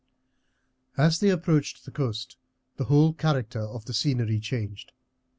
As they approached the coast the whole character of the scenery changed.